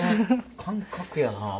感覚やな。